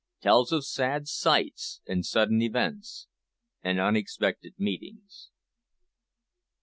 TELLS OF SAD SIGHTS, AND SUDDEN EVENTS, AND UNEXPECTED MEETINGS.